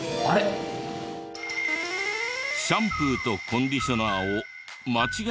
シャンプーとコンディショナーを間違えたりしませんか？